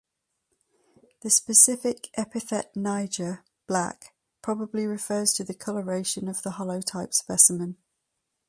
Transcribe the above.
The specific epithet "niger" (‘black’) probably refers to the colouration of the holotype specimen.